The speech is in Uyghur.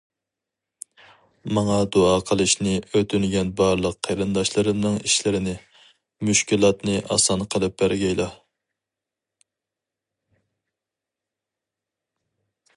ماڭا دۇئا قىلىشنى ئۆتۈنگەن بارلىق قېرىنداشلىرىمنىڭ ئىشلىرىنى، مۈشكۈلاتنى ئاسان قىلىپ بەرگەيلا.